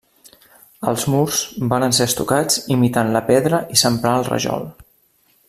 Els murs varen ser estucats imitant la pedra i s'emprà el rajol.